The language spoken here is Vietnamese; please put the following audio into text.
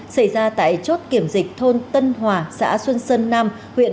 xảy ra tại chốt kiểm dịch thôn tân hòa xã xuân sơn nam huyện